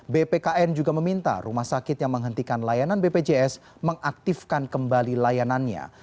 bpkn juga meminta rumah sakit yang menghentikan layanan bpjs mengaktifkan kembali layanannya